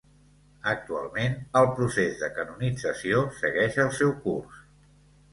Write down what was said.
Actualment el procés de canonització segueix el seu curs.